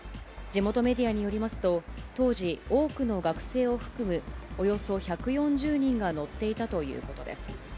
地元メディアによりますと、当時、多くの学生を含むおよそ１４０人が乗っていたということです。